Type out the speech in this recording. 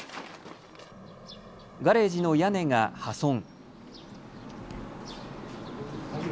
ガレージの屋根が破損。